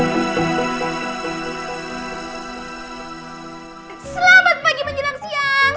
selamat pagi menjelang siang